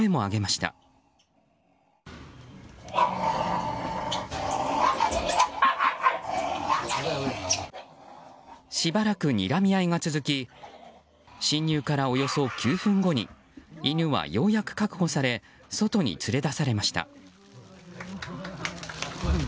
しばらくにらみ合いが続き侵入から、およそ９分後に犬はようやく確保され外に連れ出されました。